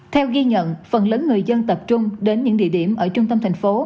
theo ghi nhận phần lớn người dân tập trung đến những địa điểm ở trung tâm thành phố